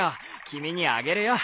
君にあげるよ。